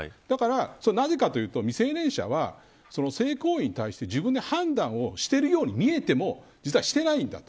それはなぜかというと未成年者は性行為に対して自分で判断をしているように見えても実はしてないんだと。